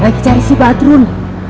lagi cari si badrun